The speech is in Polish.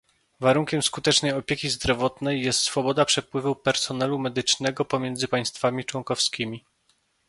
Warunkiem skutecznej opieki zdrowotnej jest swoboda przepływu personelu medycznego pomiędzy państwami członkowskimi